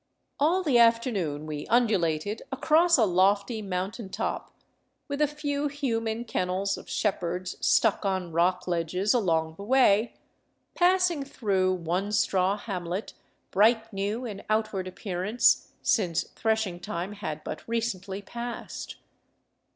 All the afternoon we undulated across a lofty mountain top, with a few human kennels of shepherds stuck on rock ledges along the way, passing through one straw hamlet bright new in outward appearance, since threshing time had but recently passed.